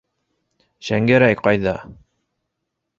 Шәңгәрәй ҡайҙа?!